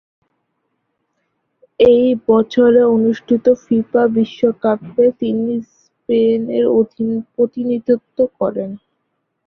একই বছরে অনুষ্ঠিত ফিফা বিশ্বকাপে তিনি স্পেনের প্রতিনিধিত্ব করেন।